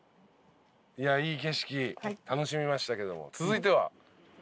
いい景色楽しみましたけども続いては？